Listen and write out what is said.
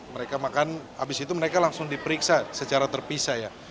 maka habis itu mereka langsung diperiksa secara terpisah ya